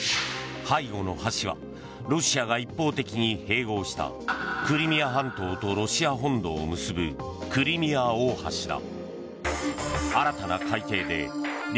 背後の橋は、ロシアが一方的に併合したクリミア半島とロシア本土を結ぶクリミア大橋だ。